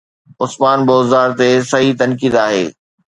عثمان بوزدار تي صحيح تنقيد آهي.